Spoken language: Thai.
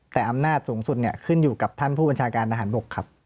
แต่อำนาจสูงสุดขึ้นอยู่กับท่านผู้บัญชาการทหารบกครับ